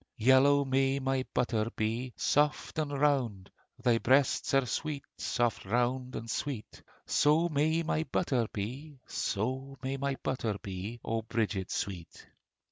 Yellow may my butter be, Soft and round: Thy breasts are sweet, Soft, round, and sweet, So may my butter be: So may my butter be, O Bridget sweet!